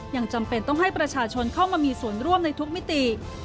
ยังจำเป็นต้องให้ประชาชนเข้ามามีส่วนร่วมในทุกมิติ